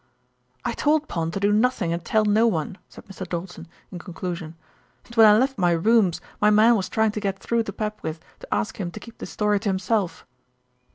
"I told Pond to do nothing and tell no one," said Mr. Doulton, in conclusion, "and when I left my rooms my man was trying to get through to Papwith to ask him to keep the story to himself."